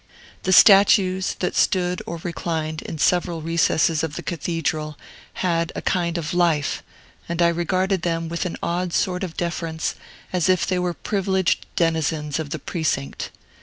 The statues, that stood or reclined in several recesses of the Cathedral, had a kind of life, and I regarded them with an odd sort of deference, as if they were privileged denizens of the precinct.